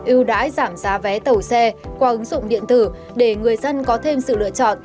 ưu đãi giảm giá vé tàu xe qua ứng dụng điện tử để người dân có thêm sự lựa chọn